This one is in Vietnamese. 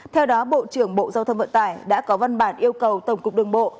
theo đó bộ trưởng bộ giao thông vận tải đã có văn bản yêu cầu tổng cục đường bộ